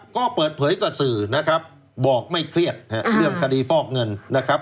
ก็เปิดเผยกับสื่อนะครับบอกไม่เครียดเรื่องคดีฟอกเงินนะครับ